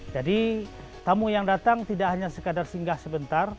jadi tamu yang datang tidak hanya sekadar singgah sebentar